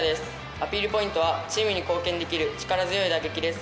アピールポイントはチームに貢献できる力強い打撃です。